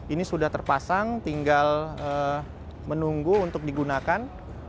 ini sudah terpasang tinggal menunggu untuk digunakan